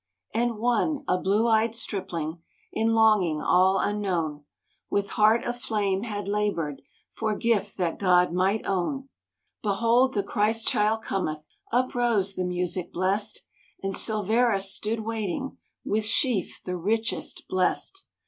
And one, a blue eyed stripling, In longing all unknown, With heart aflame had labored For gift that God might own: "Behold the Christ child cometh!" Up rose the music blest, And Silverus stood waiting With sheaf the richest, blest.